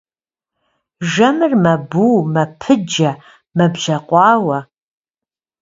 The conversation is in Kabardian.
Жэмыр мэбу, мэпыджэ, мэбжьэкъуауэ.